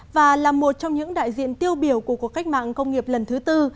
và là một trong những đại diện tiêu biểu của cuộc cách mạng công nghiệp lần thứ tư